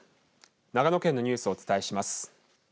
長野県のニュースをお伝えします。